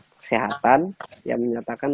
kesehatan yang menyatakan